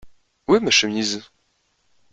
Où est ma chemise ?